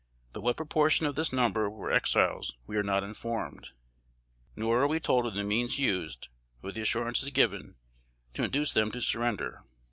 But what proportion of this number were Exiles, we are not informed; nor are we told of the means used, or the assurances given, to induce them to surrender.